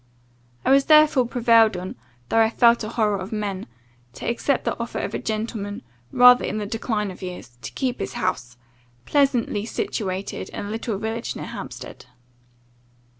I was therefore prevailed on, though I felt a horror of men, to accept the offer of a gentleman, rather in the decline of years, to keep his house, pleasantly situated in a little village near Hampstead.